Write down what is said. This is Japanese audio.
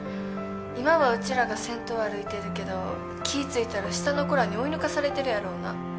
今はうちらが先頭歩いてるけど気ぃついたら下の子らに追い抜かされてるやろうな。